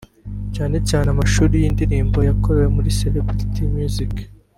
cyane cyane amashusho y’indirimbo zakorewe muri Celebrity Music”